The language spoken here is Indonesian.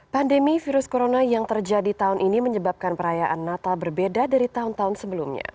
pandemi virus corona yang terjadi tahun ini menyebabkan perayaan natal berbeda dari tahun tahun sebelumnya